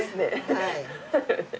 はい。